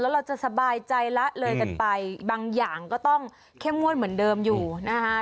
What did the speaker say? เราจะสบายใจละเลยกันไปบางอย่างก็ต้องเข้มงวดเหมือนเดิมอยู่นะคะ